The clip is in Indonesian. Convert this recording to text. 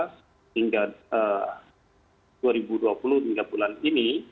sehingga dua ribu dua puluh hingga bulan ini